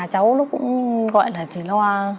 cháu cũng gọi là chỉ lo